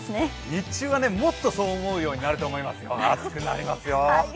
日中はもっとそう思うようになると思います。